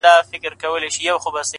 شكر دى چي مينه يې په زړه كـي ده،